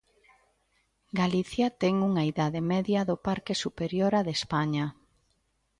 Galicia ten unha idade media do parque superior á de España.